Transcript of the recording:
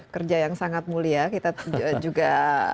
kerja yang sangat mulia kita juga